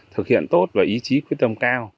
thực hiện tốt và ý chí quyết tâm cao